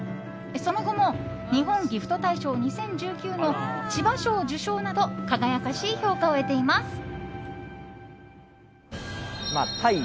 その後も日本ギフト大賞２０１９の千葉賞受賞など輝かしい評価を得ています。